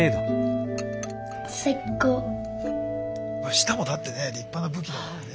舌もだってね立派な武器だもんね。